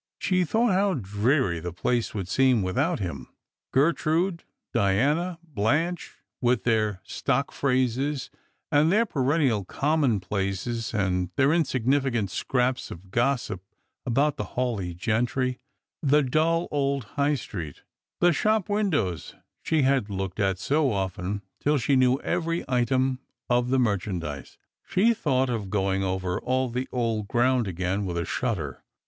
She thought how dreary the place would seem without him. Gertrude, Diana, Blanche, with their stock phrases and their perennial commonplaces and their insignificant scraps of gossip about the Hawleigh gentry ; the dull old High street ; the shop windows she had looked at so often, till she knew every item of the merchandise. She thought of going over all the old gronnd again with a shudder.